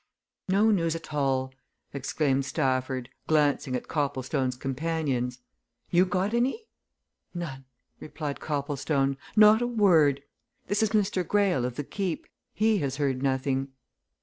"No news at all!" exclaimed Stafford, glancing at Copplestone's companions. "You got any?" "None," replied Copplestone. "Not a word. This is Mr. Greyle, of the Keep he has heard nothing.